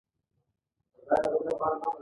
ما وویل بي بي مېرمنې زما د اشنا تیکې پخیږي.